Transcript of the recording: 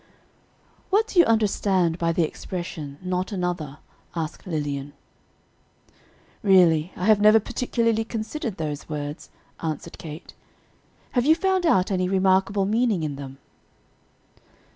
'" "What do you understand by the expression 'not another'?" asked Lilian. "Really, I have never particularly considered those words," answered Kate. "Have you found out any remarkable meaning in them?"